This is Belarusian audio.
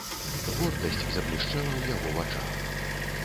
Гордасць заблішчэла ў яго вачах.